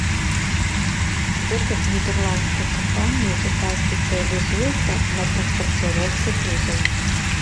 Гэта нідэрландская кампанія, якая спецыялізуецца на транспарціроўцы грузаў.